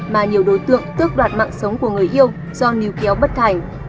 mà nhiều đối tượng tước đoạt mạng sống của người hiêu do níu kéo bất thành